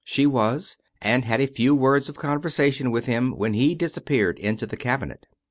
She was, and had a few words of conversation with him when he disappeared into the cabinet.